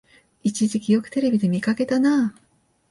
一時期よくテレビで見かけたなあ